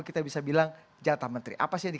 kita ingatkan memori anda